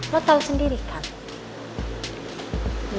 lo tau sendiri kan